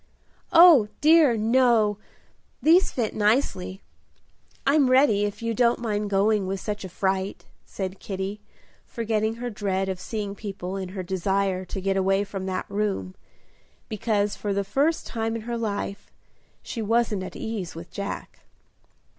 "Oh, dear, no! these fit nicely. I'm ready, if you don't mind going with such a fright," said Kitty, forgetting her dread of seeing people in her desire to get away from that room, because for the first time in her life she wasn't at ease with Jack.